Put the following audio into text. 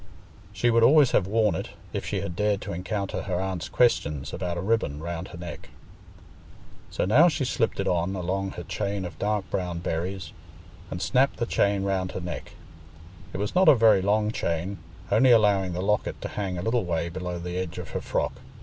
She would always have worn it, if she had dared to encounter her aunt's questions about a ribbon round her neck. So now she slipped it on along her chain of dark brown berries, and snapped the chain round her neck. It was not a very long chain, only allowing the locket to hang a little way below the edge of her frock.